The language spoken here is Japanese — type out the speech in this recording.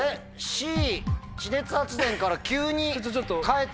Ｃ地熱発電から急に変えた。